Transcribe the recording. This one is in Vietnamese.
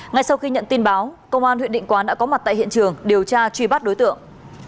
ngay sau khi nhận tin báo công an huyện định quán đã có mặt tại hiện trường điều tra truy bắt đối tượng